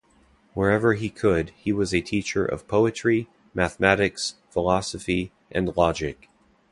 Wherever he could he was a teacher of Poetry, Mathematics, Philosophy and Logic.